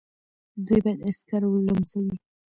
دوی باید عسکر ولمسوي.